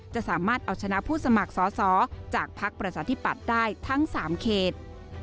สามารถเอาชนะผู้สมัครสอสอจากภักดิ์ประชาธิปัตย์ได้ทั้ง๓เขต